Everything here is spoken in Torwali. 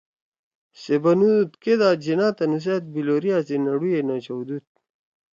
سےبنُودُود کئیدا جناح تنُو سأت بِلوریا سی نڑُوئے نہ چھؤدُود